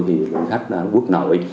thì lượng khách quốc nội